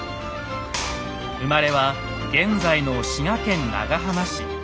生まれは現在の滋賀県長浜市。